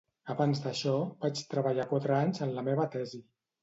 Abans d'això, vaig treballar quatre anys en la meva tesi.